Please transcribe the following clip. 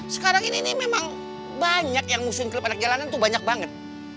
sekarang ini memang banyak yang muslim klub anak jalanan tuh banyak banget